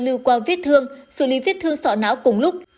dẫn lưu qua viết thương xử lý viết thương sọ não cùng lúc